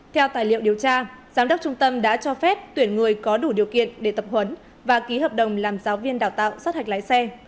theo tài liệu điều tra giám đốc trung tâm đã cho phép tuyển người có đủ điều kiện để tập huấn và ký hợp đồng làm giáo viên đào tạo sát hạch lái xe